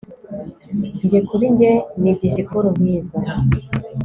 njye kuri njye ni disikuru nkizo